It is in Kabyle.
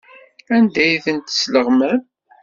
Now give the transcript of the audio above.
Anda ay ten-tesleɣmam?